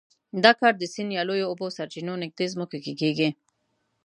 دا کار د سیند یا لویو اوبو سرچینو نږدې ځمکو کې کېږي.